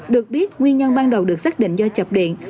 được biết nguyên nhân ban đầu được xác định do chập điện